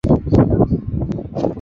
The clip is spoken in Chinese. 中华人民共和国副部长级官员。